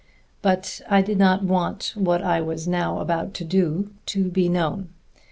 But I did not want what I was now about to do to be known.